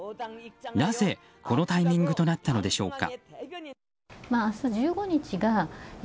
なぜ、このタイミングとなったのでしょうか。